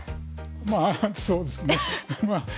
まあそうですね。